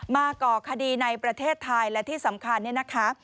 ก่อคดีในประเทศไทยและที่สำคัญเนี่ยนะคะ